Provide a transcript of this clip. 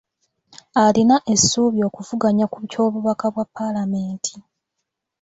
Alina essuubi okuvuganya ku ky’obubaka bwa paalamenti.